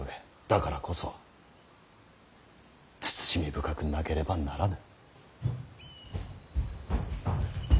だからこそ慎み深くなければならぬ。